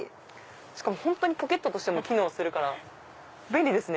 しかも本当にポケットとしても機能するから便利ですね。